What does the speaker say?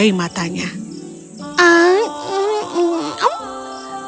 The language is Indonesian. dia tidak mempercayai matanya